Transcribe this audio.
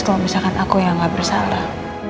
kalau misalkan aku yang gak bersalah